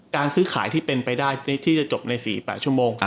การซื้อขายที่เป็นไปได้ที่จะจบในสี่สิบแปดชั่วโมงอ่า